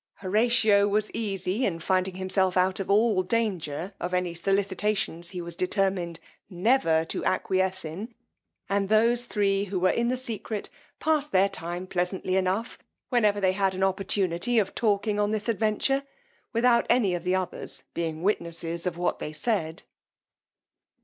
Horatio was easy in finding himself out of all danger of any solicitations he was determined never to acquiesce in; and those three who were in the secret passed their time pleasantly enough, whenever they had an opportunity of talking on this adventure, without any of the others being witnesses of what they said.